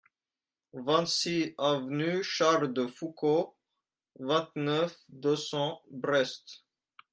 vingt-six avenue Charles de Foucauld, vingt-neuf, deux cents, Brest